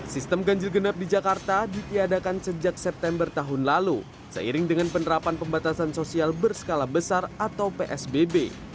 sistem ganjil genap di jakarta ditiadakan sejak september tahun lalu seiring dengan penerapan pembatasan sosial berskala besar atau psbb